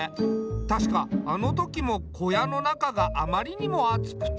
確かあの時も小屋の中があまりにも暑くて。